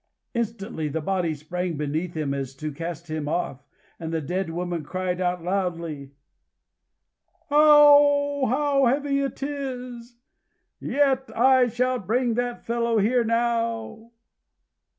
Instantly the body sprang beneath him, as to cast him off; and the dead woman cried out loudly, "Oh, how heavy it is! Yet I shall bring that fellow here now!"